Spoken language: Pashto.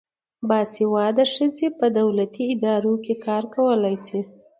باسواده ښځې په دولتي ادارو کې کار کولای شي.